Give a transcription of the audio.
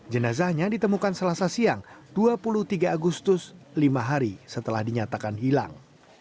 jenazahnya ditemukan selasa siang dua puluh tiga agustus lima hari setelah dinyatakan hilang